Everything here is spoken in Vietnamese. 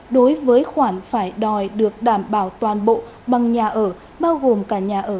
đối với khoản phải đòi được đảm bảo toàn bộ bằng nhà ở bao gồm cả nhà ở